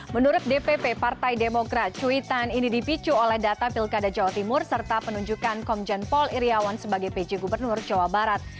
menurut dpp partai demokrat cuitan ini dipicu oleh data pilkada jawa timur serta penunjukan komjen paul iryawan sebagai pj gubernur jawa barat